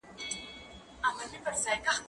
زه له سهاره د کتابتون پاکوالی کوم!!